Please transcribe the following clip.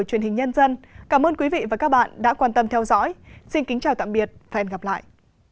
chào tạm biệt và hẹn gặp lại